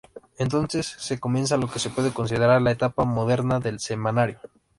Entonces comienza lo que se puede considerar la etapa moderna del semanario.